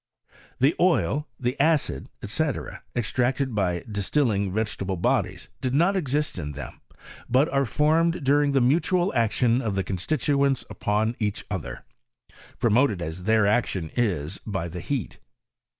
The oil, the acid, &c., extracted bydifitiilio; vegetable bodies did not exist in them, but are formed during the mutual action of the constituents upon each other, promoted as their action is by ths heat.